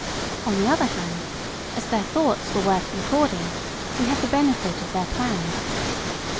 On the other hand, as their thoughts were worth recording, we have the benefit of their plan.